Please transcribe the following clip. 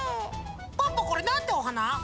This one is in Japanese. ポッポこれなんておはな？